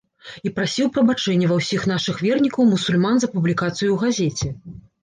І прасіў прабачэння ва ўсіх нашых вернікаў мусульман за публікацыю ў газеце.